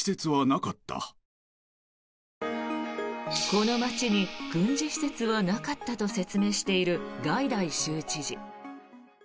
この街に軍事施設はなかったと説明しているガイダイ知事。